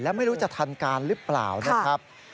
ไม่รู้จะทันการหรือเปล่านะครับ